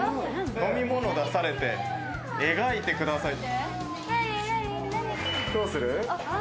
飲み物、出されて描いてくださいって。